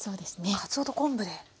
かつおと昆布で。